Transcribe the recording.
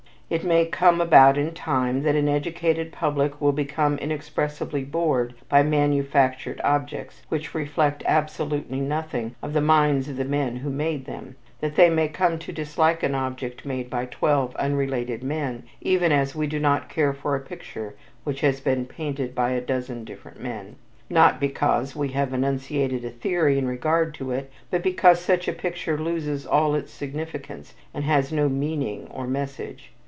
It may come about in time that an educated public will become inexpressibly bored by manufactured objects which reflect absolutely nothing of the minds of the men who made them, that they may come to dislike an object made by twelve unrelated men, even as we do not care for a picture which has been painted by a dozen different men, not because we have enunciated a theory in regard to it, but because such a picture loses all its significance and has no meaning or message.